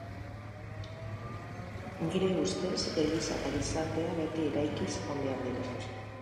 Nire ustez, Eliza eta gizartea beti eraikiz joan behar dira.